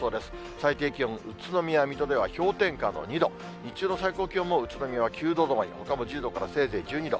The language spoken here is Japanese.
最低気温、宇都宮、水戸では氷点下の２度、日中の最高気温も宇都宮は９度止まり、ほかも１０度からせいぜい１２度。